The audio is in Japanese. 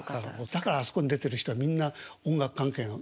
だからあそこに出てる人はみんな音楽関係の。